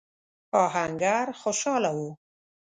آهنګر خوشاله و.